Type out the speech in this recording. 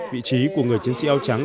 vị trí của người chiến sĩ ao trắng